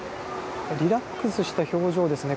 リラックスした表情ですね。